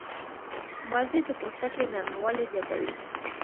مالټې د پوستکي نرموالی زیاتوي.